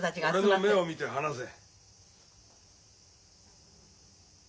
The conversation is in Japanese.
俺の目を見て話せ。